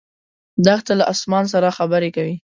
دښته له اسمان سره خبرې کوي.